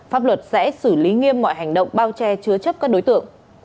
pháp luật sẽ xử lý nghiêm mọi hành động bao che chứa chấp các đối tượng